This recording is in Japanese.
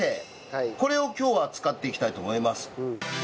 これを今日は使っていきたいと思います。